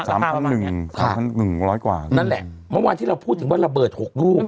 นั่นแหละเมื่อวานที่เราพูดถึงว่าระเบิร์ต๖รูป